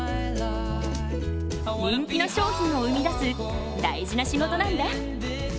人気の商品を生み出す大事な仕事なんだ。